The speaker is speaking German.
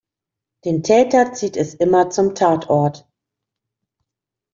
Den Täter zieht es immer zum Tatort.